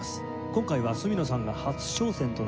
今回は角野さんが初挑戦となります